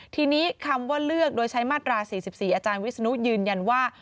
ทีนี้คำว่าเลือกโดยใช้มาตรา๔๔อาจารย์วิศนุยืนยันว่า